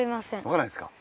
わからないですか。